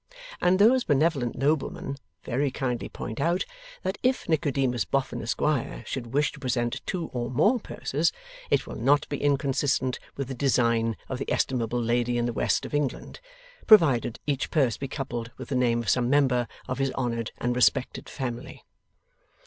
And those benevolent noblemen very kindly point out that if Nicodemus Boffin, Esquire, should wish to present two or more purses, it will not be inconsistent with the design of the estimable lady in the West of England, provided each purse be coupled with the name of some member of his honoured and respected family.